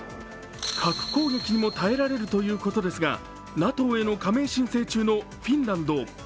核攻撃にも耐えられるということですがＮＡＴＯへの加盟申請中のフィンランド。